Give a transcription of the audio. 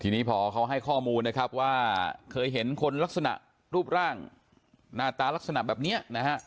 ทีนี้พอเขาให้ข้อมูลนะครับว่าเคยเห็นคนลักษณะรูปร่างหน้าตาลักษณะแบบนี้นะฮะ